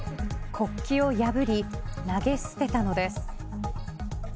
国旗を破り投げ捨てたのです。